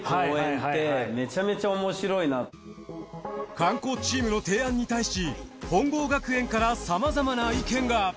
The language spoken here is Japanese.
観光チームの提案に対し本郷学園からさまざまな意見が。